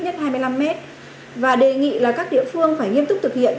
kỳ thi là ít nhất hai mươi năm mét và đề nghị là các địa phương phải nghiêm túc thực hiện